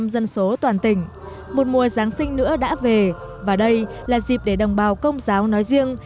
hai mươi năm dân số toàn tỉnh một mùa giáng sinh nữa đã về và đây là dịp để đồng bào công giáo nói riêng